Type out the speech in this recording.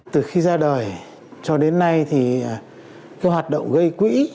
từ khi ra đời cho đến nay thì cái hoạt động gây quỹ